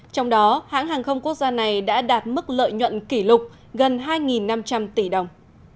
trong đó hãng hàng không quốc gia này đã đạt mức lợi nhuận kỷ lục gần hai năm trăm linh tỷ đồng